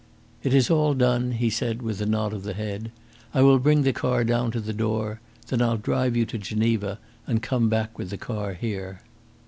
"It is all done," he said, with a nod of the head. "I will bring the car down to the door. Then I'll drive you to Geneva and come back with the car here."